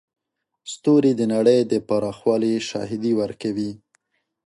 ستوري د نړۍ د پراخوالي شاهدي ورکوي.